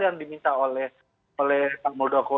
yang diminta oleh pak muldoko